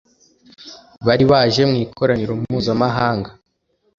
bari baje mu ikoraniro mpuzamahanga